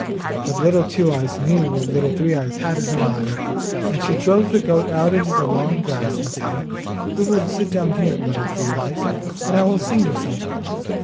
But little Two eyes knew what Little Three eyes had in her mind, and she drove the goat out into the tall grass and said, 'We will sit down here, Little Three eyes, and I will sing you something.